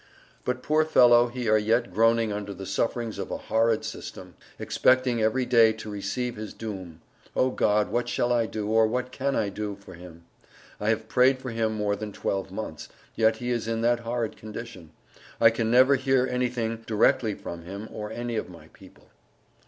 But poor fellow he are yet groaning under the sufferings of a horrid sytam, Expecting every day to Receive his Doom. Oh, God, what shall I do, or what can I do for him? I have prayed for him more than 12 months, yet he is in that horrid condition. I can never hear anything Directly from him or any of my people.